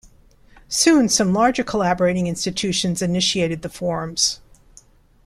Soon, some larger collaborating institutions initiated the forums.